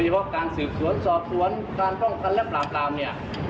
โปรดการสืบสวนสอบสวนการป้องกันแล้วปลาปลาแล้วแน่ค่ะ